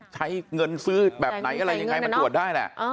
ใช้เงินซื้อแบบไหนอะไรยังไงมันตรวจได้แหละ